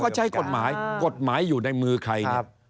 เขาก็ใช้กฎหมายกฎหมายอยู่ในมือใคร